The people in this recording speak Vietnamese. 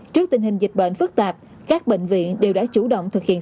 trước tình hình dịch bệnh phức tạp các bệnh viện đều đã chủ động thực hiện